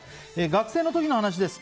学生の時の話です。